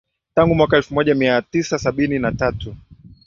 Tangu mwaka elfu moja mia tisa sabini na tatu